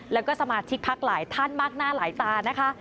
แล้วก็สมาชิกพักหลายท่านมากหน้าหลายตานะคะ